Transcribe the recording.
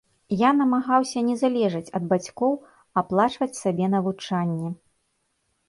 Я намагаўся не залежаць ад бацькоў, аплачваць сабе навучанне.